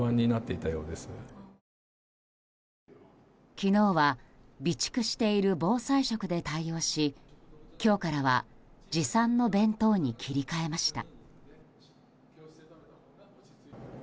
昨日は備蓄している防災食で対応し今日からは持参の弁当に切り替えました。